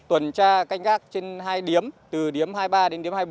tuần tra canh gác trên hai điếm từ điếm hai mươi ba đến điếm hai mươi bốn